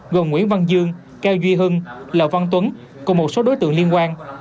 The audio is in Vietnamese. gồm nguyễn văn dương cao duy hưng lò văn tuấn cùng một số đối tượng liên quan